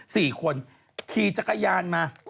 สี่คนขี่จักรยานมา